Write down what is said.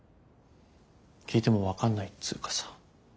聞いても分かんないっつうかさ。